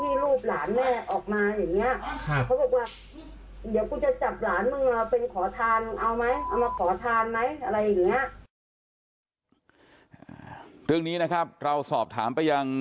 ที่ลูกหลานแม่ออกมาแบบเนี่ยอาฆาตมือซอบถามไปยัง